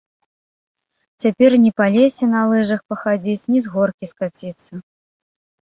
Цяпер ні па лесе на лыжах пахадзіць, ні з горкі скаціцца.